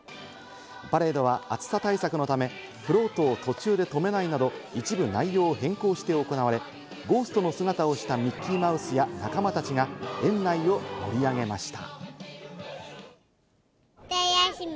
パレードは暑さ対策のため、フロートを途中で止めないなど、一部内容を変更して行われ、ゴーストの姿をしたミッキーマウスや仲間たちが園内を盛り上げました。